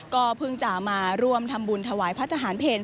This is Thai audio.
ก็เพิ่งจะมาร่วมทำบุญถวายพระทหารเพล